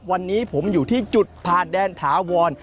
วันนี้ผมอยู่ที่จุดผ่านแดนถาวร